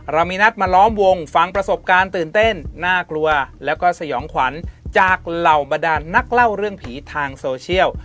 เรามีนัดมาล้อมวงฟังประสบการณ์ตื่นเต้นน่ากลัวแล้วก็สยองขวัญจากเหล่าบรรดานนักเล่าเรื่องผีทางโซเชียล